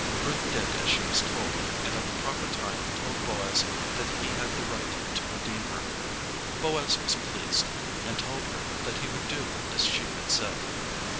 Ruth did as she was told, and at the proper time told Boaz that he had the right to redeem her. Boaz was pleased, and told her that he would do as she had said.